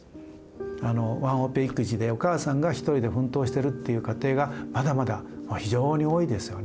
あのワンオペ育児でお母さんが一人で奮闘してるっていう家庭がまだまだ非常に多いですよね。